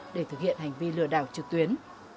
để thực hiện hành vi lừa đảo trực tuyến